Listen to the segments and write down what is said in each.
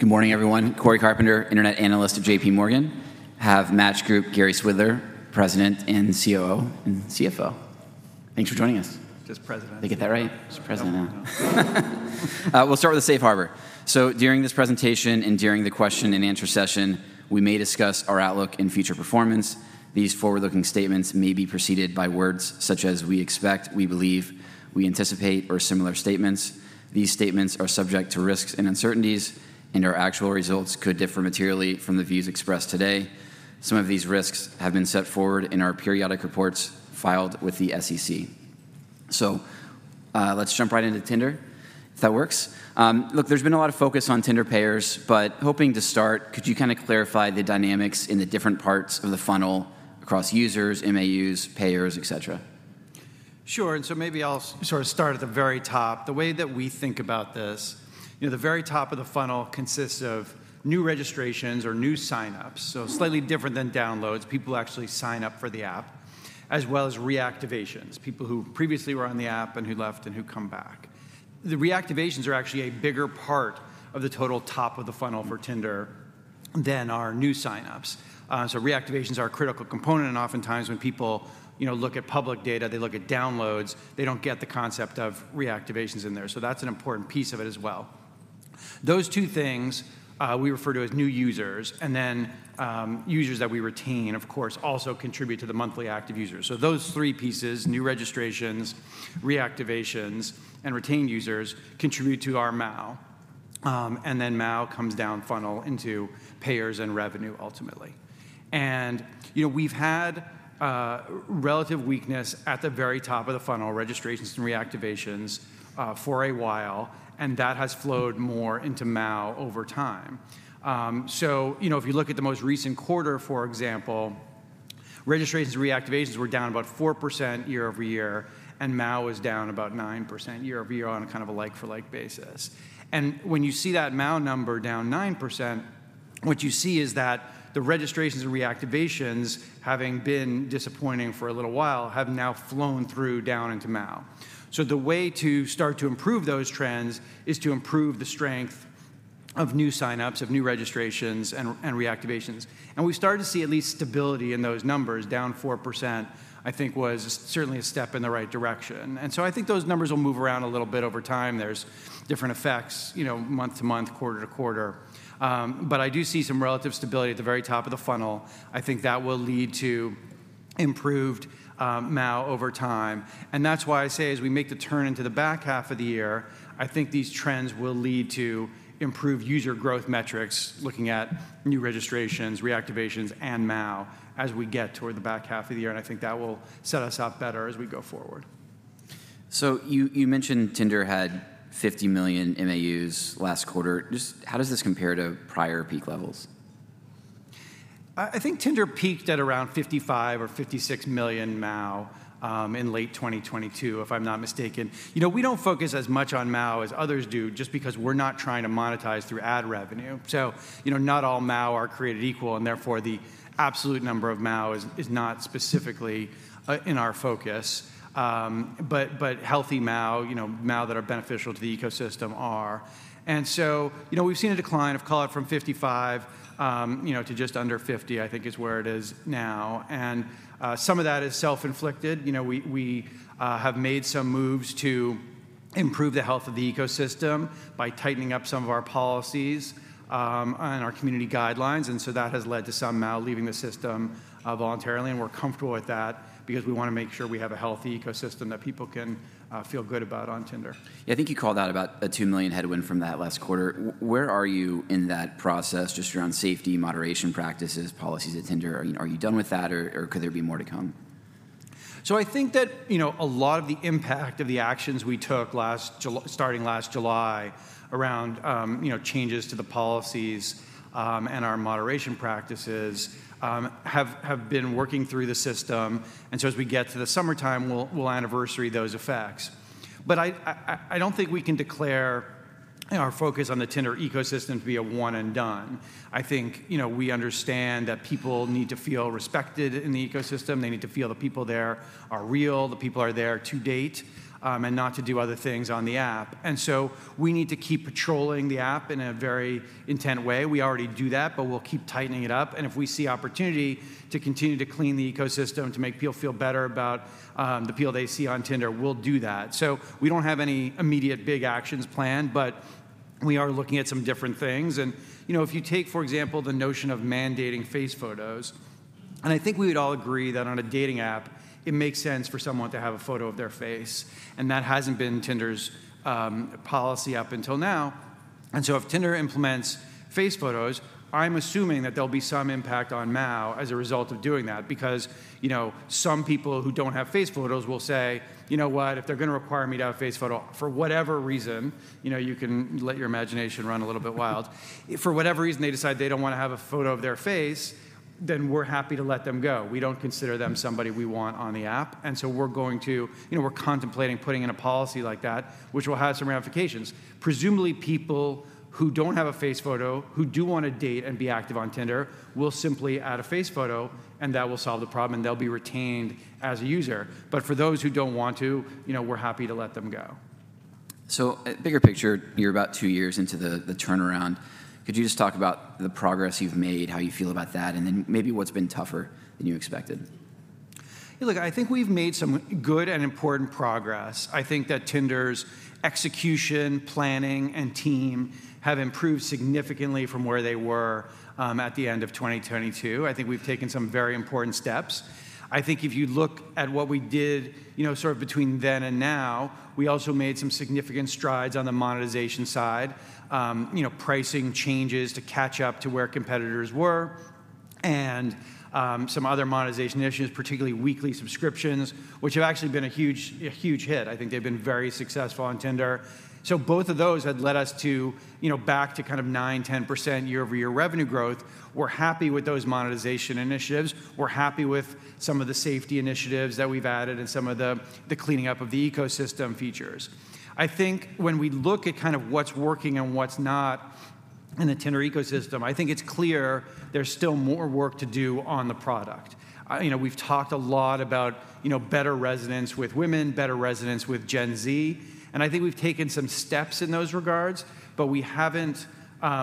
Good morning, everyone. Cory Carpenter, Internet Analyst at J.P. Morgan. I have Match Group, Gary Swidler, President and COO and CFO. Thanks for joining us. Just president. Did I get that right? Just president now. We'll start with the safe harbor. So during this presentation and during the question-and-answer session, we may discuss our outlook and future performance. These forward-looking statements may be preceded by words such as "we expect," "we believe," "we anticipate," or similar statements. These statements are subject to risks and uncertainties, and our actual results could differ materially from the views expressed today. Some of these risks have been set forth in our periodic reports filed with the SEC. So, let's jump right into Tinder, if that works. Look, there's been a lot of focus on Tinder payers, but hoping to start, could you kinda clarify the dynamics in the different parts of the funnel across users, MAUs, payers, et cetera? Sure. So maybe I'll sort of start at the very top. The way that we think about this, you know, the very top of the funnel consists of new registrations or new signups, so slightly different than downloads, people who actually sign up for the app, as well as reactivations, people who previously were on the app and who left and who come back. The reactivations are actually a bigger part of the total top of the funnel for Tinder than are new signups. So reactivations are a critical component, and oftentimes, when people, you know, look at public data, they look at downloads, they don't get the concept of reactivations in there. So that's an important piece of it as well. Those two things, we refer to as new users, and then, users that we retain, of course, also contribute to the monthly active users. So those three pieces, new registrations, reactivations, and retained users, contribute to our MAU, and then MAU comes down funnel into payers and revenue ultimately. And, you know, we've had, relative weakness at the very top of the funnel, registrations and reactivations, for a while, and that has flowed more into MAU over time. So, you know, if you look at the most recent quarter, for example, registrations and reactivations were down about 4% year-over-year, and MAU is down about 9% year-over-year on a kind of a like-for-like basis. When you see that MAU number down 9%, what you see is that the registrations and reactivations, having been disappointing for a little while, have now flown through down into MAU. So the way to start to improve those trends is to improve the strength of new signups, of new registrations, and reactivations. We started to see at least stability in those numbers. Down 4%, I think, was certainly a step in the right direction. So I think those numbers will move around a little bit over time. There's different effects, you know, month to month, quarter to quarter. But I do see some relative stability at the very top of the funnel. I think that will lead to improved MAU over time. That's why I say, as we make the turn into the back half of the year, I think these trends will lead to improved user growth metrics, looking at new registrations, reactivations, and MAU, as we get toward the back half of the year, and I think that will set us up better as we go forward. So you mentioned Tinder had 50 million MAUs last quarter. Just how does this compare to prior peak levels? I think Tinder peaked at around 55 or 56 million MAU in late 2022, if I'm not mistaken. You know, we don't focus as much on MAU as others do, just because we're not trying to monetize through ad revenue. So, you know, not all MAU are created equal, and therefore, the absolute number of MAU is, is not specifically in our focus. But, but healthy MAU, you know, MAU that are beneficial to the ecosystem are. And so, you know, we've seen a decline of call it from 55, you know, to just under 50, I think is where it is now, and some of that is self-inflicted. You know, we have made some moves to improve the health of the ecosystem by tightening up some of our policies, and our community guidelines, and so that has led to some MAU leaving the system, voluntarily, and we're comfortable with that because we wanna make sure we have a healthy ecosystem that people can feel good about on Tinder. Yeah, I think you called out about a 2 million headwind from that last quarter. Where are you in that process, just around safety, moderation practices, policies at Tinder? Are you done with that, or could there be more to come? So I think that, you know, a lot of the impact of the actions we took starting last July around, you know, changes to the policies and our moderation practices have been working through the system, and so as we get to the summertime, we'll anniversary those effects. But I don't think we can declare our focus on the Tinder ecosystem to be a one and done. I think, you know, we understand that people need to feel respected in the ecosystem. They need to feel the people there are real, the people are there to date, and not to do other things on the app. And so we need to keep patrolling the app in a very intent way. We already do that, but we'll keep tightening it up, and if we see opportunity to continue to clean the ecosystem to make people feel better about the people they see on Tinder, we'll do that. So we don't have any immediate big actions planned, but we are looking at some different things. And, you know, if you take, for example, the notion of mandating face photos, and I think we would all agree that on a dating app, it makes sense for someone to have a photo of their face, and that hasn't been Tinder's policy up until now. And so if Tinder implements face photos, I'm assuming that there'll be some impact on MAU as a result of doing that because, you know, some people who don't have face photos will say, "You know what? If they're gonna require me to have a face photo," for whatever reason, you know, you can let your imagination run a little bit wild. For whatever reason, they decide they don't wanna have a photo of their face, then we're happy to let them go. We don't consider them somebody we want on the app, and so we're going to... You know, we're contemplating putting in a policy like that, which will have some ramifications. Presumably, people who don't have a face photo, who do wanna date and be active on Tinder, will simply add a face photo, and that will solve the problem, and they'll be retained as a user. But for those who don't want to, you know, we're happy to let them go.... So, bigger picture, you're about two years into the turnaround. Could you just talk about the progress you've made, how you feel about that, and then maybe what's been tougher than you expected? Yeah, look, I think we've made some good and important progress. I think that Tinder's execution, planning, and team have improved significantly from where they were at the end of 2022. I think we've taken some very important steps. I think if you look at what we did, you know, sort of between then and now, we also made some significant strides on the monetization side. You know, pricing changes to catch up to where competitors were, and some other monetization initiatives, particularly weekly subscriptions, which have actually been a huge, a huge hit. I think they've been very successful on Tinder. So both of those have led us to, you know, back to kind of 9%-10% year-over-year revenue growth. We're happy with those monetization initiatives. We're happy with some of the safety initiatives that we've added and some of the cleaning up of the ecosystem features. I think when we look at kind of what's working and what's not in the Tinder ecosystem, I think it's clear there's still more work to do on the product. You know, we've talked a lot about, you know, better resonance with women, better resonance with Gen Z, and I think we've taken some steps in those regards, but we haven't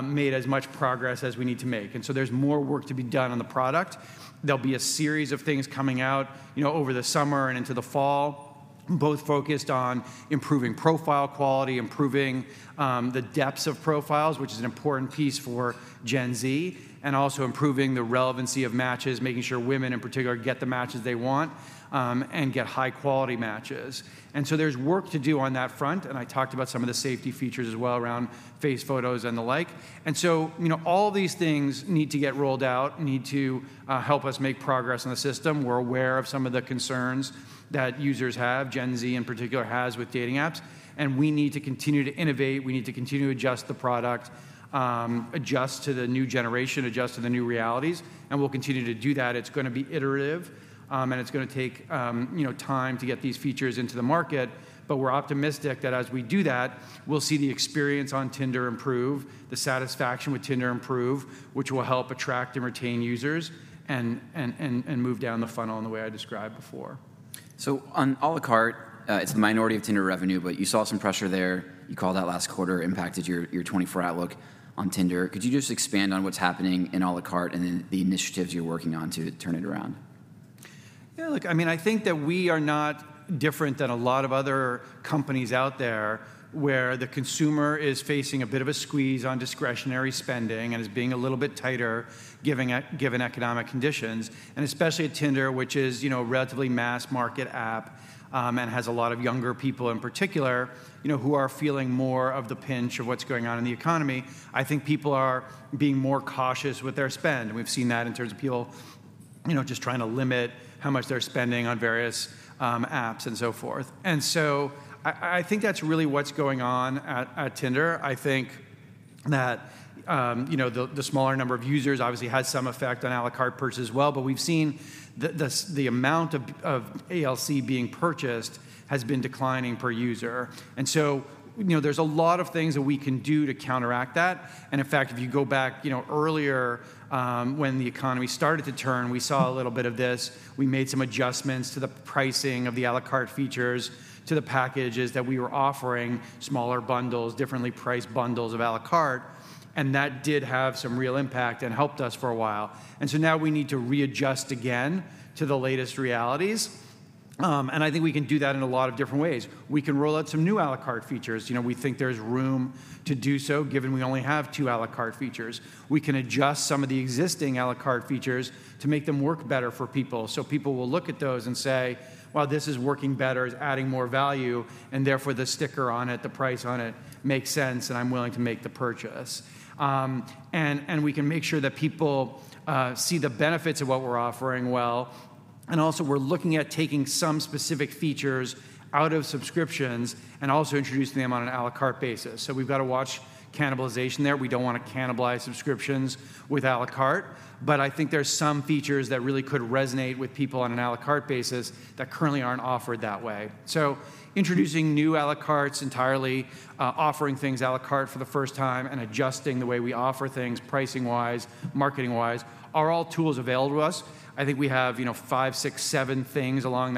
made as much progress as we need to make, and so there's more work to be done on the product. There'll be a series of things coming out, you know, over the summer and into the fall, both focused on improving profile quality, improving the depths of profiles, which is an important piece for Gen Z, and also improving the relevancy of matches, making sure women, in particular, get the matches they want, and get high-quality matches. And so there's work to do on that front, and I talked about some of the safety features as well around face photos and the like. And so, you know, all these things need to get rolled out, need to help us make progress on the system. We're aware of some of the concerns that users have, Gen Z in particular has, with dating apps, and we need to continue to innovate. We need to continue to adjust the product, adjust to the new generation, adjust to the new realities, and we'll continue to do that. It's gonna be iterative, and it's gonna take, you know, time to get these features into the market. But we're optimistic that as we do that, we'll see the experience on Tinder improve, the satisfaction with Tinder improve, which will help attract and retain users and move down the funnel in the way I described before. So on à la carte, it's a minority of Tinder revenue, but you saw some pressure there. You called out last quarter, impacted your 2024 outlook on Tinder. Could you just expand on what's happening in à la carte and then the initiatives you're working on to turn it around? Yeah, look, I mean, I think that we are not different than a lot of other companies out there, where the consumer is facing a bit of a squeeze on discretionary spending and is being a little bit tighter, given economic conditions, and especially at Tinder, which is, you know, a relatively mass-market app, and has a lot of younger people in particular, you know, who are feeling more of the pinch of what's going on in the economy. I think people are being more cautious with their spend. We've seen that in terms of people, you know, just trying to limit how much they're spending on various, apps and so forth. And so I, I think that's really what's going on at, at Tinder. I think that, you know, the smaller number of users obviously has some effect on à la carte purchase as well, but we've seen the amount of ALC being purchased has been declining per user. And so, you know, there's a lot of things that we can do to counteract that, and in fact, if you go back, you know, earlier, when the economy started to turn, we saw a little bit of this. We made some adjustments to the pricing of the à la carte features, to the packages that we were offering, smaller bundles, differently priced bundles of à la carte, and that did have some real impact and helped us for a while. And so now we need to readjust again to the latest realities, and I think we can do that in a lot of different ways. We can roll out some new à la carte features. You know, we think there's room to do so, given we only have two à la carte features. We can adjust some of the existing à la carte features to make them work better for people, so people will look at those and say, "Well, this is working better. It's adding more value, and therefore, the sticker on it, the price on it, makes sense, and I'm willing to make the purchase." And we can make sure that people see the benefits of what we're offering well, and also, we're looking at taking some specific features out of subscriptions and also introducing them on an à la carte basis. So we've got to watch cannibalization there. We don't want to cannibalize subscriptions with à la carte, but I think there's some features that really could resonate with people on an à la carte basis that currently aren't offered that way. So introducing new à la cartes entirely, offering things à la carte for the first time, and adjusting the way we offer things pricing-wise, marketing-wise, are all tools available to us. I think we have, you know, five, six, seven things along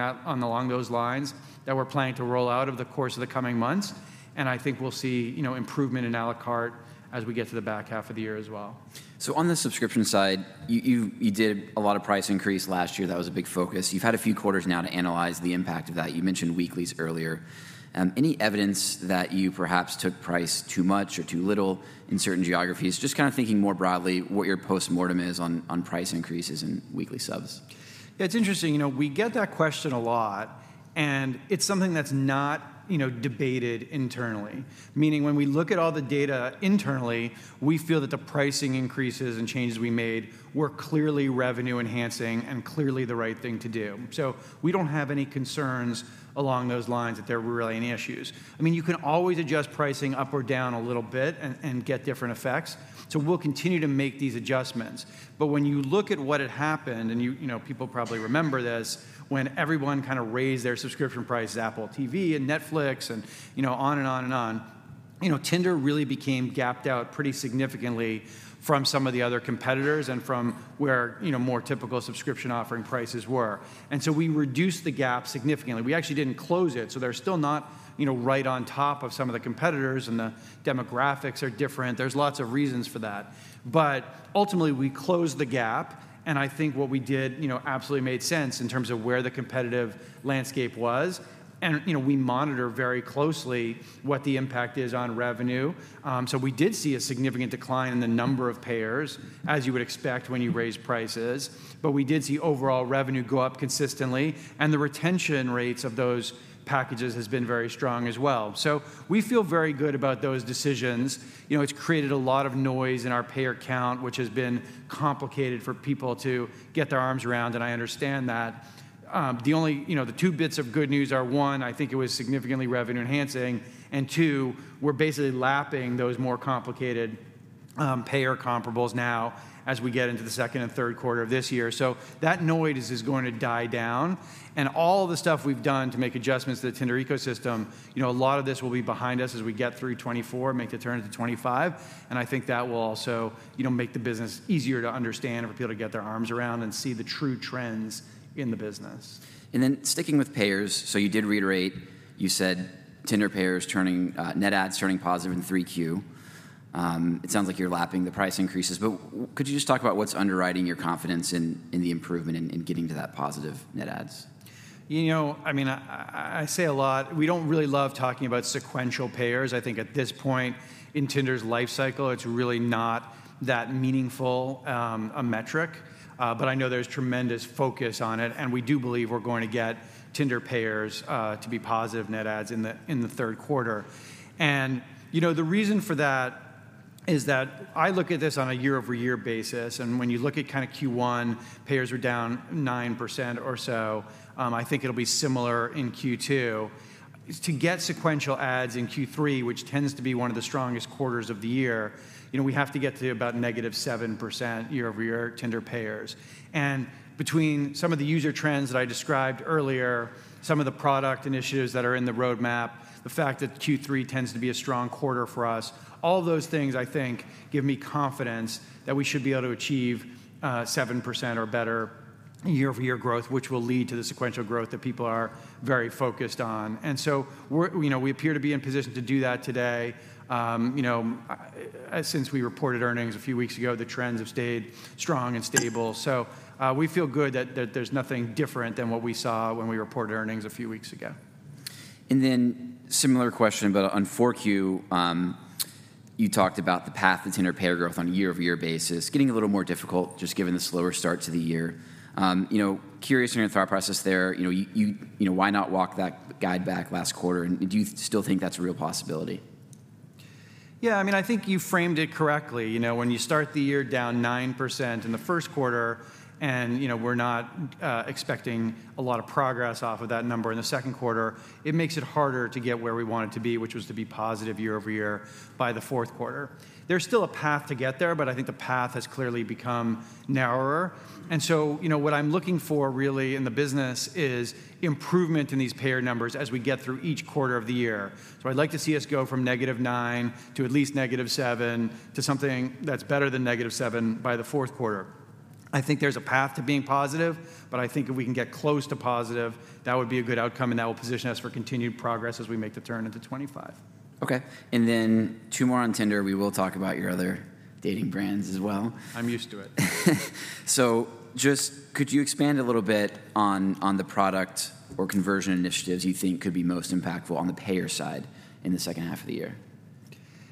those lines that we're planning to roll out over the course of the coming months, and I think we'll see, you know, improvement in à la carte as we get to the back half of the year as well. So on the subscription side, you did a lot of price increase last year. That was a big focus. You've had a few quarters now to analyze the impact of that. You mentioned weeklies earlier. Any evidence that you perhaps took price too much or too little in certain geographies? Just kind of thinking more broadly what your postmortem is on price increases in weekly subs. It's interesting, you know, we get that question a lot, and it's something that's not, you know, debated internally. Meaning, when we look at all the data internally, we feel that the pricing increases and changes we made were clearly revenue-enhancing and clearly the right thing to do. So we don't have any concerns along those lines that there were really any issues. I mean, you can always adjust pricing up or down a little bit and, and get different effects, so we'll continue to make these adjustments. But when you look at what had happened, and you... You know, people probably remember this, when everyone kind of raised their subscription prices, Apple TV and Netflix and, you know, on and on and on... You know, Tinder really became gapped out pretty significantly from some of the other competitors and from where, you know, more typical subscription offering prices were. We reduced the gap significantly. We actually didn't close it, so they're still not, you know, right on top of some of the competitors, and the demographics are different. There's lots of reasons for that. Ultimately, we closed the gap, and I think what we did, you know, absolutely made sense in terms of where the competitive landscape was. You know, we monitor very closely what the impact is on revenue. We did see a significant decline in the number of payers, as you would expect when you raise prices, but we did see overall revenue go up consistently, and the retention rates of those packages has been very strong as well. We feel very good about those decisions. You know, it's created a lot of noise in our payer count, which has been complicated for people to get their arms around, and I understand that. The only, you know, the two bits of good news are, one, I think it was significantly revenue-enhancing, and two, we're basically lapping those more complicated payer comparables now as we get into the second and third quarter of this year. So that noise is going to die down, and all the stuff we've done to make adjustments to the Tinder ecosystem, you know, a lot of this will be behind us as we get through 2024, make the turn into 2025, and I think that will also, you know, make the business easier to understand and for people to get their arms around and see the true trends in the business. And then sticking with payers, so you did reiterate, you said Tinder payers turning, net adds turning positive in Q3. It sounds like you're lapping the price increases, but could you just talk about what's underwriting your confidence in the improvement in getting to that positive net adds? You know, I mean, I say a lot, we don't really love talking about sequential payers. I think at this point in Tinder's life cycle, it's really not that meaningful, a metric, but I know there's tremendous focus on it, and we do believe we're going to get Tinder payers to be positive net adds in the third quarter. You know, the reason for that is that I look at this on a year-over-year basis, and when you look at kind of Q1, payers are down 9% or so. I think it'll be similar in Q2. To get sequential adds in Q3, which tends to be one of the strongest quarters of the year, you know, we have to get to about negative 7% year-over-year Tinder payers. Between some of the user trends that I described earlier, some of the product initiatives that are in the roadmap, the fact that Q3 tends to be a strong quarter for us, all those things, I think, give me confidence that we should be able to achieve 7% or better year-over-year growth, which will lead to the sequential growth that people are very focused on. And so we're, you know, we appear to be in position to do that today. You know, since we reported earnings a few weeks ago, the trends have stayed strong and stable. So, we feel good that there's nothing different than what we saw when we reported earnings a few weeks ago. Then similar question, but on Q4, you talked about the path to Tinder payer growth on a year-over-year basis, getting a little more difficult, just given the slower start to the year. You know, curious on your thought process there. You know, you know, why not walk that guide back last quarter, and do you still think that's a real possibility? Yeah, I mean, I think you framed it correctly. You know, when you start the year down 9% in the first quarter, and, you know, we're not expecting a lot of progress off of that number in the second quarter, it makes it harder to get where we wanted to be, which was to be positive year-over-year by the fourth quarter. There's still a path to get there, but I think the path has clearly become narrower. And so, you know, what I'm looking for really in the business is improvement in these payer numbers as we get through each quarter of the year. So I'd like to see us go from -9% to at least -7%, to something that's better than -7% by the fourth quarter. I think there's a path to being positive, but I think if we can get close to positive, that would be a good outcome, and that will position us for continued progress as we make the turn into 2025. Okay, and then two more on Tinder. We will talk about your other dating brands as well. I'm used to it. Just could you expand a little bit on the product or conversion initiatives you think could be most impactful on the payer side in the second half of the year?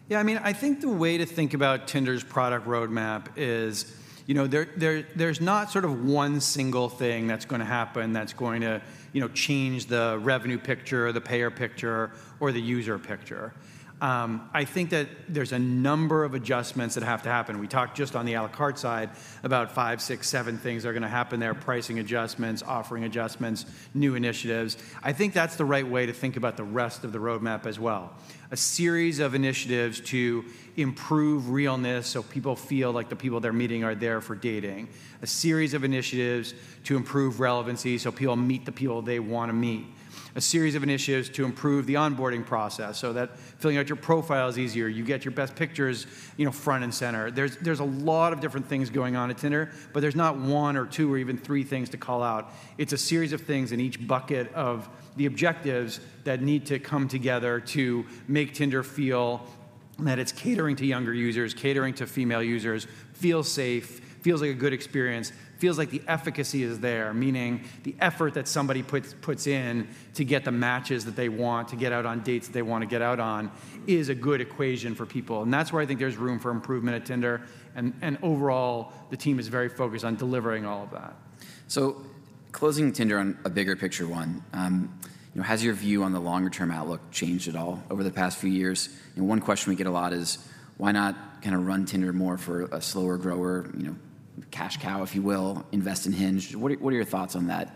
Yeah, I mean, I think the way to think about Tinder's product roadmap is, you know, there, there's not sort of one single thing that's gonna happen, that's going to, you know, change the revenue picture or the payer picture or the user picture. I think that there's a number of adjustments that have to happen. We talked just on the à la carte side about 5, 6, 7 things are gonna happen there: pricing adjustments, offering adjustments, new initiatives. I think that's the right way to think about the rest of the roadmap as well. A series of initiatives to improve realness, so people feel like the people they're meeting are there for dating. A series of initiatives to improve relevancy, so people meet the people they wanna meet. A series of initiatives to improve the onboarding process, so that filling out your profile is easier. You get your best pictures, you know, front and center. There's a lot of different things going on at Tinder, but there's not one or two or even three things to call out. It's a series of things in each bucket of the objectives that need to come together to make Tinder feel that it's catering to younger users, catering to female users, feels safe, feels like a good experience, feels like the efficacy is there, meaning the effort that somebody puts in to get the matches that they want, to get out on dates that they want to get out on, is a good equation for people. That's where I think there's room for improvement at Tinder, and overall, the team is very focused on delivering all of that. Closing Tinder on a bigger picture one, you know, has your view on the longer-term outlook changed at all over the past few years? You know, one question we get a lot is: Why not kind of run Tinder more for a slower grower, you know, cash cow, if you will, invest in Hinge? What are your thoughts on that?...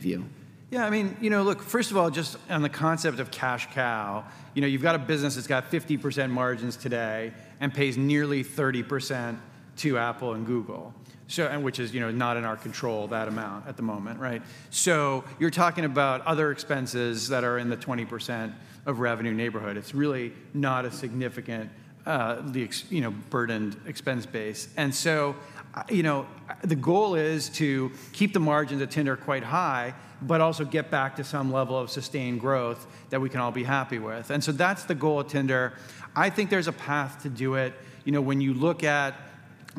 Yeah, I mean, you know, look, first of all, just on the concept of cash cow, you know, you've got a business that's got 50% margins today and pays nearly 30% to Apple and Google. So, and which is, you know, not in our control, that amount, at the moment, right? So you're talking about other expenses that are in the 20% of revenue neighborhood. It's really not a significant, you know, burdened expense base. And so, you know, the goal is to keep the margins at Tinder quite high, but also get back to some level of sustained growth that we can all be happy with. And so that's the goal at Tinder. I think there's a path to do it. You know, when you look at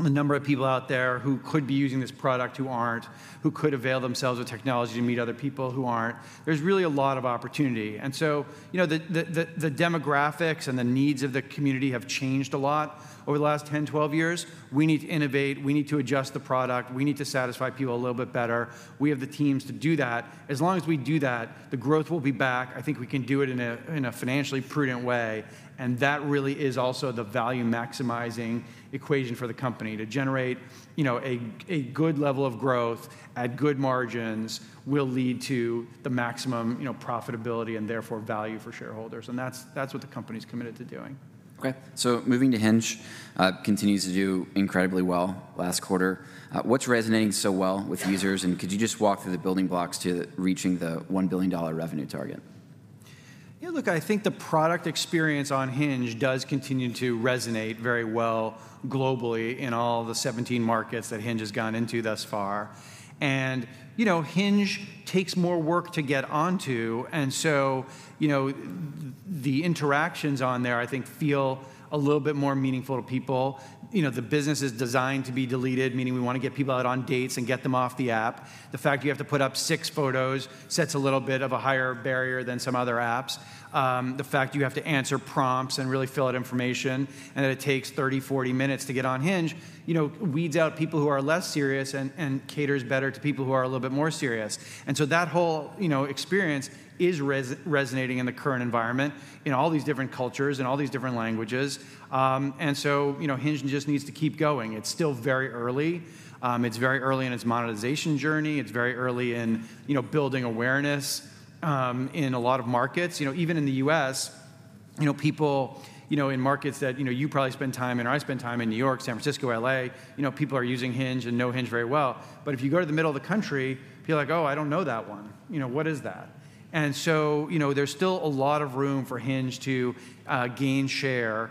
the number of people out there who could be using this product, who aren't, who could avail themselves with technology to meet other people, who aren't, there's really a lot of opportunity. So, you know, the demographics and the needs of the community have changed a lot over the last 10, 12 years. We need to innovate. We need to adjust the product. We need to satisfy people a little bit better. We have the teams to do that. As long as we do that, the growth will be back. I think we can do it in a financially prudent way, and that really is also the value-maximizing equation for the company. To generate, you know, a good level of growth at good margins will lead to the maximum, you know, profitability and therefore value for shareholders, and that's what the company's committed to doing. Okay. So moving to Hinge, continues to do incredibly well last quarter. What's resonating so well with users, and could you just walk through the building blocks to reaching the $1 billion revenue target? Yeah, look, I think the product experience on Hinge does continue to resonate very well globally in all the 17 markets that Hinge has gone into thus far. And, you know, Hinge takes more work to get onto, and so, you know, the interactions on there, I think, feel a little bit more meaningful to people. You know, the business is designed to be deleted, meaning we wanna get people out on dates and get them off the app. The fact you have to put up 6 photos sets a little bit of a higher barrier than some other apps. The fact you have to answer prompts and really fill out information, and that it takes 30-40 minutes to get on Hinge, you know, weeds out people who are less serious and caters better to people who are a little bit more serious. And so that whole, you know, experience is resonating in the current environment, in all these different cultures and all these different languages. And so, you know, Hinge just needs to keep going. It's still very early. It's very early in its monetization journey. It's very early in, you know, building awareness in a lot of markets. You know, even in the U.S., you know, people, you know, in markets that, you know, you probably spend time in or I spend time in, New York, San Francisco, L.A., you know, people are using Hinge and know Hinge very well. But if you go to the middle of the country, people are like: "Oh, I don't know that one. You know, what is that?" And so, you know, there's still a lot of room for Hinge to gain share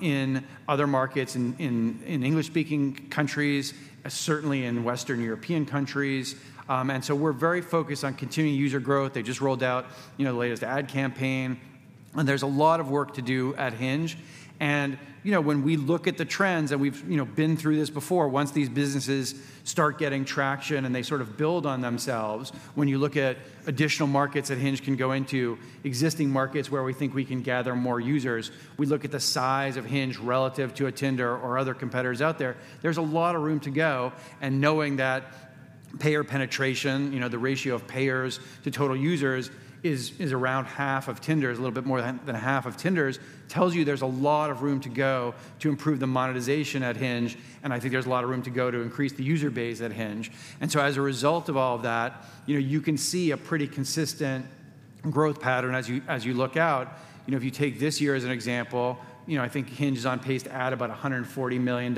in other markets, in English-speaking countries, certainly in Western European countries. And so we're very focused on continuing user growth. They just rolled out, you know, the latest ad campaign, and there's a lot of work to do at Hinge. And, you know, when we look at the trends, and we've, you know, been through this before, once these businesses start getting traction, and they sort of build on themselves, when you look at additional markets that Hinge can go into, existing markets where we think we can gather more users, we look at the size of Hinge relative to a Tinder or other competitors out there, there's a lot of room to go. Knowing that payer penetration, you know, the ratio of payers to total users is, is around half of Tinder's, a little bit more than, than half of Tinder's, tells you there's a lot of room to go to improve the monetization at Hinge, and I think there's a lot of room to go to increase the user base at Hinge. As a result of all of that, you know, you can see a pretty consistent growth pattern as you, as you look out. You know, if you take this year as an example, you know, I think Hinge is on pace to add about $140 million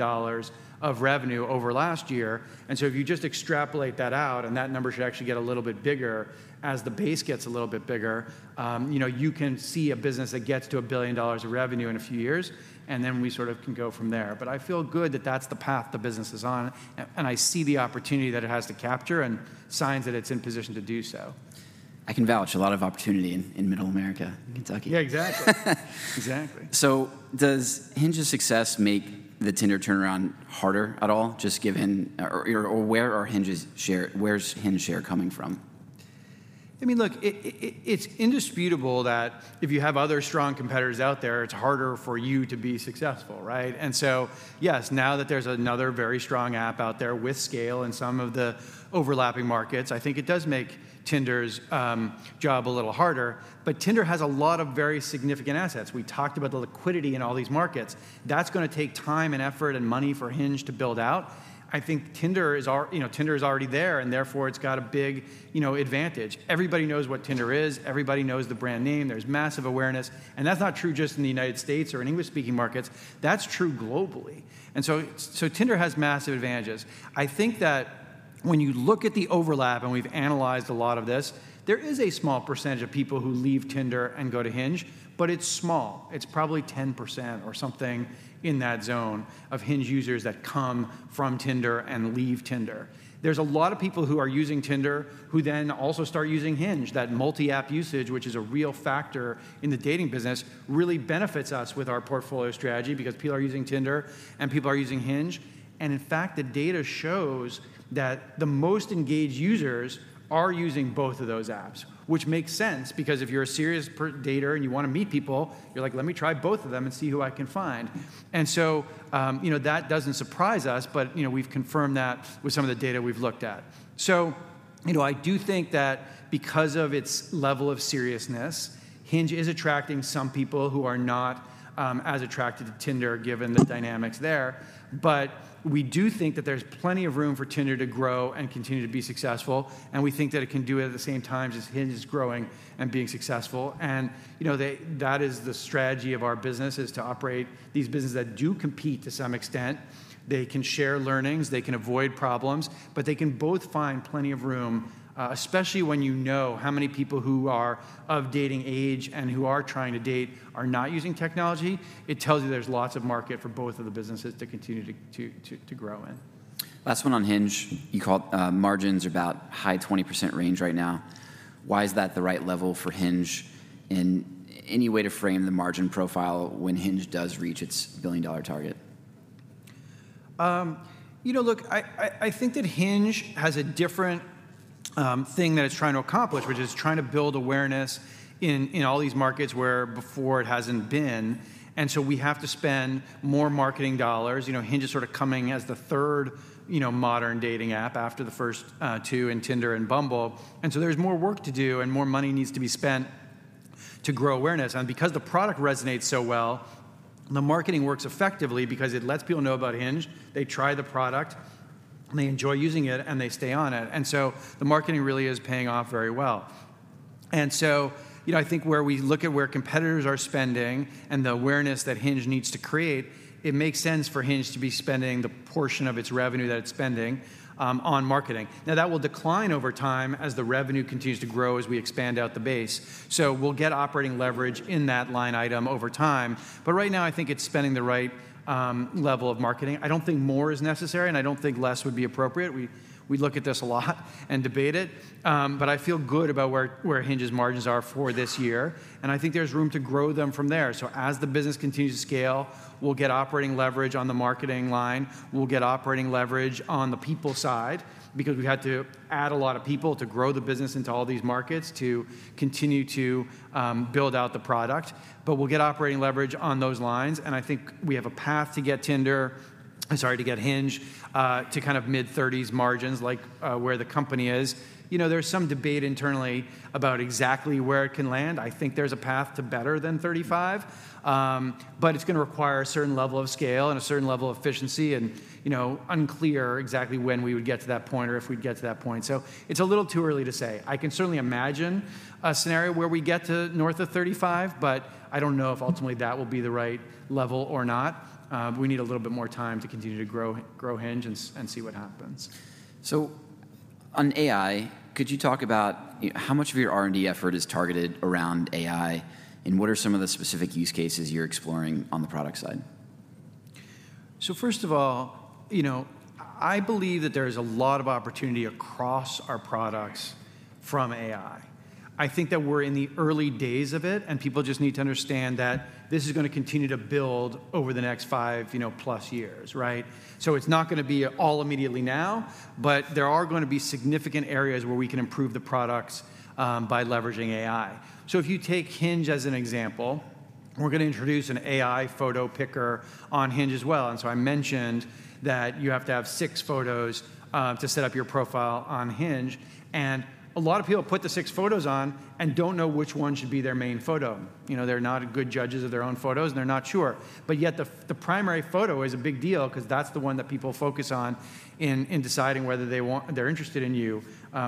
of revenue over last year. So if you just extrapolate that out, and that number should actually get a little bit bigger as the base gets a little bit bigger, you know, you can see a business that gets to $1 billion of revenue in a few years, and then we sort of can go from there. But I feel good that that's the path the business is on, and I see the opportunity that it has to capture and signs that it's in position to do so. I can vouch, a lot of opportunity in Middle America, in Kentucky. Yeah, exactly. Exactly. Does Hinge's success make the Tinder turnaround harder at all, just given...? Or, where's Hinge share coming from? I mean, look, it's indisputable that if you have other strong competitors out there, it's harder for you to be successful, right? And so, yes, now that there's another very strong app out there with scale in some of the overlapping markets, I think it does make Tinder's job a little harder. But Tinder has a lot of very significant assets. We talked about the liquidity in all these markets. That's gonna take time and effort and money for Hinge to build out. I think Tinder is—you know, Tinder is already there, and therefore, it's got a big, you know, advantage. Everybody knows what Tinder is. Everybody knows the brand name. There's massive awareness, and that's not true just in the United States or in English-speaking markets. That's true globally. And so, so Tinder has massive advantages. I think that when you look at the overlap, and we've analyzed a lot of this, there is a small percentage of people who leave Tinder and go to Hinge, but it's small. It's probably 10% or something in that zone of Hinge users that come from Tinder and leave Tinder. There's a lot of people who are using Tinder who then also start using Hinge. That multi-app usage, which is a real factor in the dating business, really benefits us with our portfolio strategy because people are using Tinder and people are using Hinge. And in fact, the data shows that the most engaged users are using both of those apps, which makes sense, because if you're a serious dater and you wanna meet people, you're like, "Let me try both of them and see who I can find." And so, you know, that doesn't surprise us, but, you know, we've confirmed that with some of the data we've looked at. You know, I do think that because of its level of seriousness, Hinge is attracting some people who are not as attracted to Tinder, given the dynamics there. But we do think that there's plenty of room for Tinder to grow and continue to be successful, and we think that it can do it at the same time as Hinge is growing and being successful. You know, that is the strategy of our business, is to operate these businesses that do compete to some extent. They can share learnings, they can avoid problems, but they can both find plenty of room, especially when you know how many people who are of dating age and who are trying to date are not using technology. It tells you there's lots of market for both of the businesses to continue to grow in. Last one on Hinge. You called margins about high 20% range right now. Why is that the right level for Hinge? And any way to frame the margin profile when Hinge does reach its billion-dollar target? You know, look, I think that Hinge has a different thing that it's trying to accomplish, which is trying to build awareness in all these markets where before it hasn't been. And so we have to spend more marketing dollars. You know, Hinge is sort of coming as the third, you know, modern dating app after the first two in Tinder and Bumble. And so there's more work to do and more money needs to be spent to grow awareness. And because the product resonates so well, the marketing works effectively because it lets people know about Hinge, they try the product, they enjoy using it, and they stay on it. And so the marketing really is paying off very well. So, you know, I think where we look at where competitors are spending and the awareness that Hinge needs to create, it makes sense for Hinge to be spending the portion of its revenue that it's spending on marketing. Now, that will decline over time as the revenue continues to grow, as we expand out the base. So we'll get operating leverage in that line item over time. But right now, I think it's spending the right level of marketing. I don't think more is necessary, and I don't think less would be appropriate. We look at this a lot and debate it, but I feel good about where Hinge's margins are for this year, and I think there's room to grow them from there. So as the business continues to scale, we'll get operating leverage on the marketing line. We'll get operating leverage on the people side because we've had to add a lot of people to grow the business into all these markets, to continue to build out the product. But we'll get operating leverage on those lines, and I think we have a path to get Tinder... I'm sorry, to get Hinge to kind of mid-30s margins, like where the company is. You know, there's some debate internally about exactly where it can land. I think there's a path to better than 35, but it's gonna require a certain level of scale and a certain level of efficiency and, you know, unclear exactly when we would get to that point or if we'd get to that point. So it's a little too early to say. I can certainly imagine a scenario where we get to north of 35, but I don't know if ultimately that will be the right level or not. We need a little bit more time to continue to grow, grow Hinge and see what happens. On AI, could you talk about, you know, how much of your R&D effort is targeted around AI, and what are some of the specific use cases you're exploring on the product side? So first of all, you know, I believe that there is a lot of opportunity across our products from AI. I think that we're in the early days of it, and people just need to understand that this is gonna continue to build over the next five, you know, plus years, right? So it's not gonna be all immediately now, but there are gonna be significant areas where we can improve the products by leveraging AI. So if you take Hinge as an example, we're gonna introduce an AI photo picker on Hinge as well. And so I mentioned that you have to have six photos to set up your profile on Hinge, and a lot of people put the six photos on and don't know which one should be their main photo. You know, they're not good judges of their own photos, and they're not sure. But yet the primary photo is a big deal 'cause that's the one that people focus on in deciding whether they want- they're interested in you,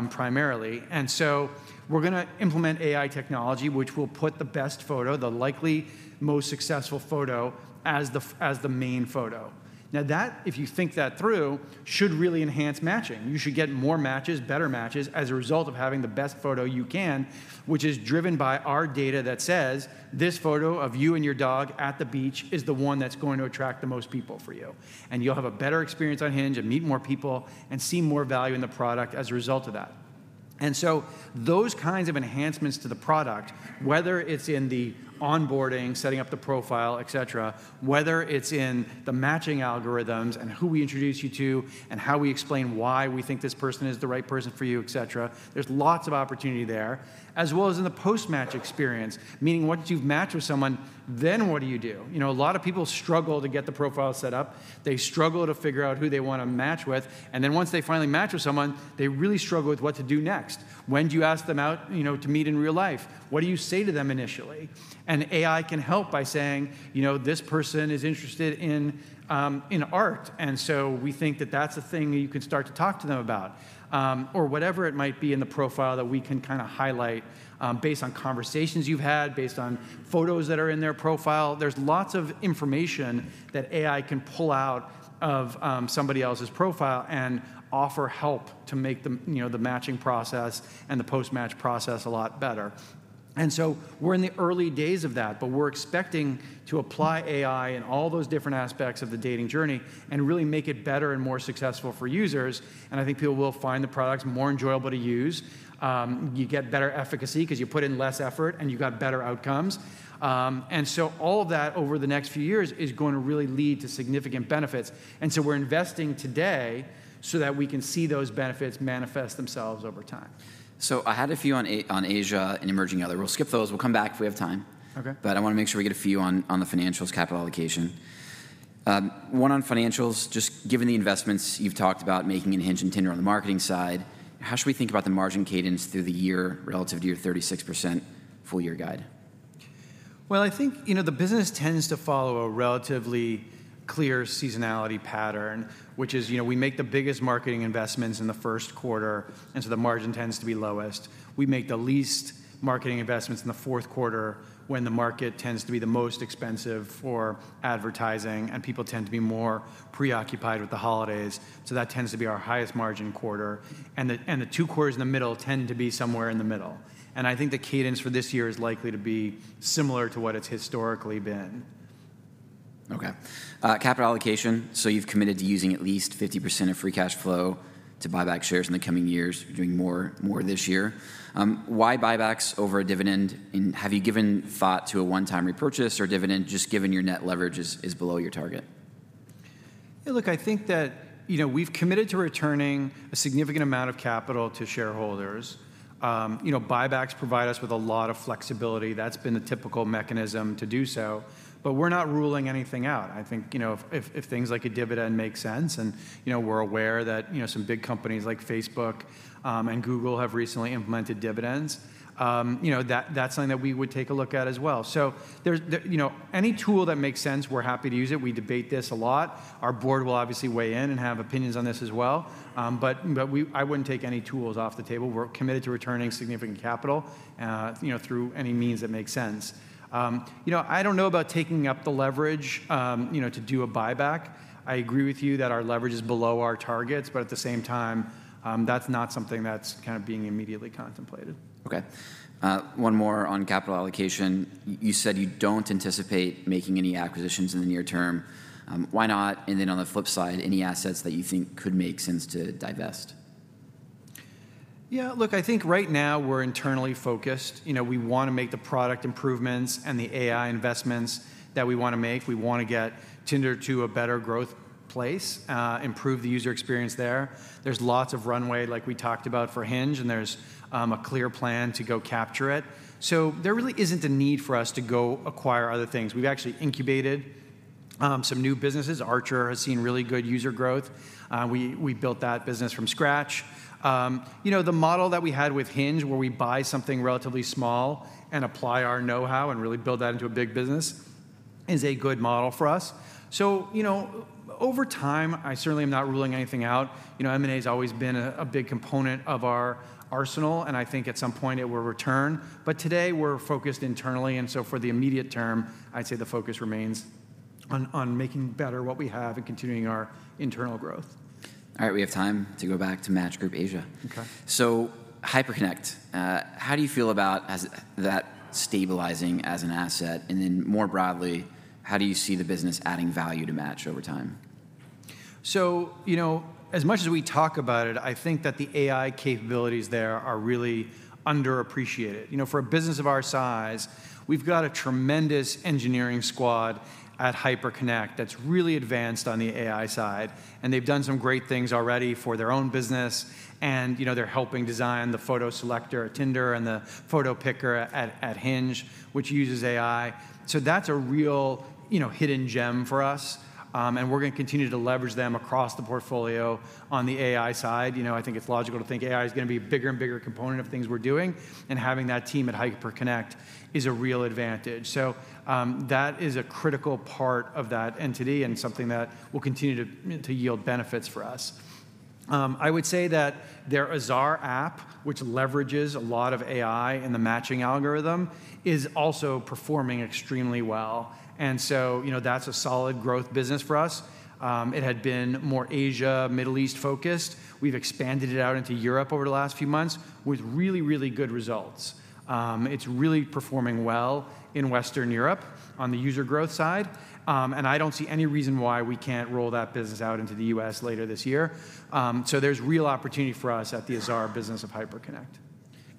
primarily. And so we're gonna implement AI technology, which will put the best photo, the likely most successful photo, as the main photo. Now that, if you think that through, should really enhance matching. You should get more matches, better matches, as a result of having the best photo you can, which is driven by our data that says, "This photo of you and your dog at the beach is the one that's going to attract the most people for you." And you'll have a better experience on Hinge and meet more people and see more value in the product as a result of that. And so those kinds of enhancements to the product, whether it's in the onboarding, setting up the profile, et cetera, whether it's in the matching algorithms and who we introduce you to and how we explain why we think this person is the right person for you, et cetera, there's lots of opportunity there, as well as in the post-match experience, meaning once you've matched with someone, then what do you do? You know, a lot of people struggle to get the profile set up. They struggle to figure out who they wanna match with, and then once they finally match with someone, they really struggle with what to do next. When do you ask them out, you know, to meet in real life? What do you say to them initially? AI can help by saying, "You know, this person is interested in, in art, and so we think that that's a thing you can start to talk to them about," or whatever it might be in the profile that we can kind of highlight, based on conversations you've had, based on photos that are in their profile. There's lots of information that AI can pull out of, somebody else's profile and offer help to make the, you know, the matching process and the post-match process a lot better. And so we're in the early days of that, but we're expecting to apply AI in all those different aspects of the dating journey and really make it better and more successful for users, and I think people will find the products more enjoyable to use. You get better efficacy because you put in less effort, and you got better outcomes. And so all of that over the next few years is going to really lead to significant benefits. And so we're investing today so that we can see those benefits manifest themselves over time. ... So I had a few on Asia and emerging other. We'll skip those. We'll come back if we have time. Okay. I wanna make sure we get a few on the financials capital allocation. One on financials, just given the investments you've talked about making in Hinge and Tinder on the marketing side, how should we think about the margin cadence through the year relative to your 36% full year guide? Well, I think, you know, the business tends to follow a relatively clear seasonality pattern, which is, you know, we make the biggest marketing investments in the first quarter, and so the margin tends to be lowest. We make the least marketing investments in the fourth quarter, when the market tends to be the most expensive for advertising, and people tend to be more preoccupied with the holidays, so that tends to be our highest margin quarter. And the two quarters in the middle tend to be somewhere in the middle. And I think the cadence for this year is likely to be similar to what it's historically been. Okay. Capital allocation, so you've committed to using at least 50% of free cash flow to buy back shares in the coming years. You're doing more, more this year. Why buybacks over a dividend, and have you given thought to a one-time repurchase or dividend, just given your net leverage is below your target? Yeah, look, I think that, you know, we've committed to returning a significant amount of capital to shareholders. You know, buybacks provide us with a lot of flexibility. That's been the typical mechanism to do so, but we're not ruling anything out. I think, you know, if things like a dividend make sense, and, you know, we're aware that, you know, some big companies like Facebook and Google have recently implemented dividends, you know, that's something that we would take a look at as well. So, you know, any tool that makes sense, we're happy to use it. We debate this a lot. Our board will obviously weigh in and have opinions on this as well. But I wouldn't take any tools off the table. We're committed to returning significant capital, you know, I don't know about taking up the leverage, you know, to do a buyback. I agree with you that our leverage is below our targets, but at the same time, that's not something that's kind of being immediately contemplated. Okay. One more on capital allocation. You said you don't anticipate making any acquisitions in the near term. Why not? And then on the flip side, any assets that you think could make sense to divest? Yeah, look, I think right now we're internally focused. You know, we wanna make the product improvements and the AI investments that we wanna make. We wanna get Tinder to a better growth place, improve the user experience there. There's lots of runway, like we talked about for Hinge, and there's a clear plan to go capture it. So there really isn't a need for us to go acquire other things. We've actually incubated some new businesses. Archer has seen really good user growth. We built that business from scratch. You know, the model that we had with Hinge, where we buy something relatively small and apply our know-how and really build that into a big business, is a good model for us. So, you know, over time, I certainly am not ruling anything out. You know, M&A's always been a big component of our arsenal, and I think at some point it will return. But today, we're focused internally, and so for the immediate term, I'd say the focus remains on making better what we have and continuing our internal growth. All right, we have time to go back to Match Group Asia. Okay. Hyperconnect, how do you feel about that stabilizing as an asset? And then, more broadly, how do you see the business adding value to Match over time? So, you know, as much as we talk about it, I think that the AI capabilities there are really underappreciated. You know, for a business of our size, we've got a tremendous engineering squad at Hyperconnect that's really advanced on the AI side, and they've done some great things already for their own business. And, you know, they're helping design the Photo Selector at Tinder and the photo picker at Hinge, which uses AI. So that's a real, you know, hidden gem for us, and we're gonna continue to leverage them across the portfolio on the AI side. You know, I think it's logical to think AI is gonna be a bigger and bigger component of things we're doing, and having that team at Hyperconnect is a real advantage. So, that is a critical part of that entity and something that will continue to yield benefits for us. I would say that their Azar app, which leverages a lot of AI in the matching algorithm, is also performing extremely well, and so, you know, that's a solid growth business for us. It had been more Asia, Middle East focused. We've expanded it out into Europe over the last few months with really, really good results. It's really performing well in Western Europe on the user growth side, and I don't see any reason why we can't roll that business out into the U.S. later this year. So there's real opportunity for us at the Azar business of Hyperconnect.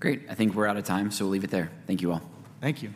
Great. I think we're out of time, so we'll leave it there. Thank you, all. Thank you.